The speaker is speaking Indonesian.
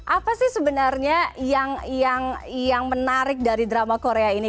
apa sih sebenarnya yang menarik dari drama korea ini